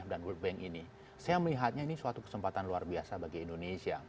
nah tentang pertemuan tahunan imf dan world bank ini saya melihatnya ini suatu kesempatan luar biasa bagi kita